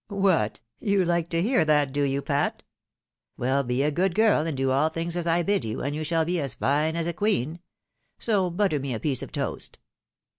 " What, you like to hear that, do you, Pat ? Well, be a good girl, and do in all things as I bid you, and you shall be as fine as a queen. So butter me a piece of toast."